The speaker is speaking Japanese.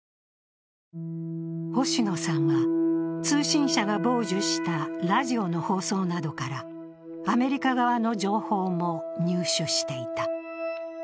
星野さんは、通信社が傍受したラジオの放送などから、アメリカ側の情報も入手していた。